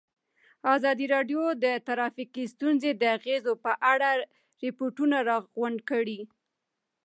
ازادي راډیو د ټرافیکي ستونزې د اغېزو په اړه ریپوټونه راغونډ کړي.